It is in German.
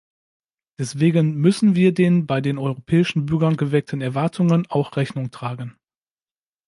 Deswegen müssen wir den bei den europäischen Bürgern geweckten Erwartungen auch Rechnung tragen.